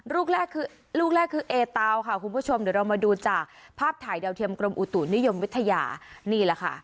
ลูกแรกคือลูกแรกคือเอเตาค่ะคุณผู้ชมเดี๋ยวเรามาดูจากภาพถ่ายดาวเทียมกรมอุตุนิยมวิทยานี่แหละค่ะ